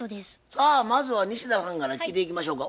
さあまずは西田さんから聞いていきましょうか。